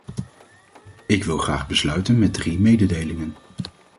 Ik wil graag besluiten met drie mededelingen.